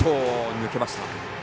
抜けました。